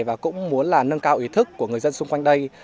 và cũng muốn là nâng cao ý thức của người dân xung quanh đây